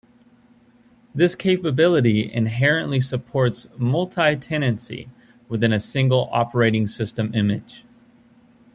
This capability inherently supports multi-tenancy within a single operating system image.